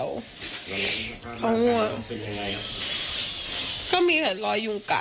ตกลงไปจากรถไฟได้ยังไงสอบถามแล้วแต่ลูกชายก็ยังไง